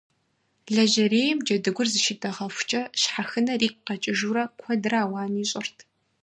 Лэжьэрейм джэдыгур зыщитӀэгъэхукӀэ щхьэхынэр игу къэкӀыжурэ куэдрэ ауан ищӀырт.